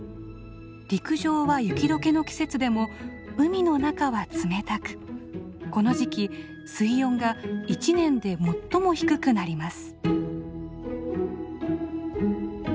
陸上は雪解けの季節でも海の中は冷たくこの時期水温が一年で最も低くなります。